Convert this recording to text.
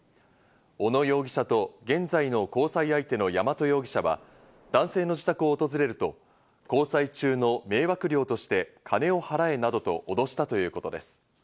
小野容疑者と現在の交際相手の山戸容疑者は男性の自宅を訪れると、交際中の迷惑料として金を払えなどと脅したということです。